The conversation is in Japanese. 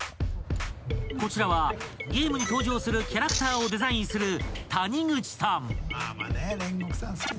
［こちらはゲームに登場するキャラクターをデザインする］